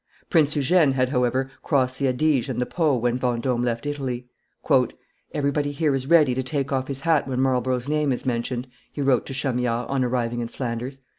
Prince Eugene had, however, crossed the Adige and the Po when Vendome left Italy. "Everybody here is ready to take off his hat when Marlborough's name is mentioned," he wrote to Chamillard, on arriving in Flanders.